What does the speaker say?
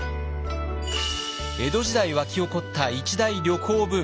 江戸時代沸き起こった一大旅行ブーム。